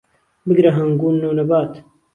بگره ههنگوون و نهبات